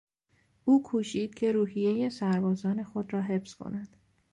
او کوشید که روحیهی سربازان خود را حفظ کند.